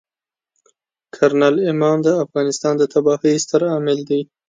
کرنل امام د افغانستان د تباهۍ ستر عامل وي.